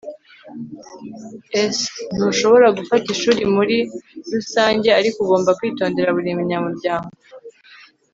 s] ntushobora gufata ishuri muri rusange, ariko ugomba kwitondera buri munyamuryango